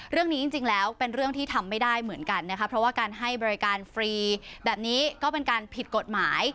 เรื่องนี้จริงแล้วเป็นเรื่องที่ทำไม่ได้เหมือนกันนะคะเพราะว่าการให้บริการฟรีแบบนี้ก็เป็นการผิดกฎหมาย